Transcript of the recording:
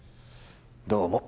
どうも。